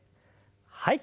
はい。